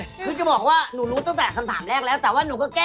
คือจะบอกว่าหนูรู้ตั้งแต่คำถามแรกแล้ว